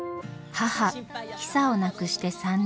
母ヒサを亡くして３年。